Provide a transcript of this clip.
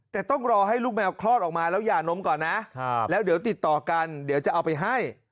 แต่ต้องรอให้ลูกแมวคลอดออกมาแล้วอย่านมก่อนนะแล้วเดี๋ยวติดต่อกันเดี๋ยวจะเอาไปให้